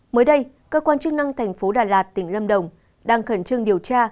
mới đây cơ quan chức năng tp đà lạt tỉnh lâm đồng đang khẩn trương điều tra